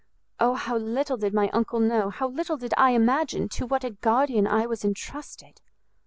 Oh how little did my uncle know, how little did I imagine to what a guardian I was entrusted!"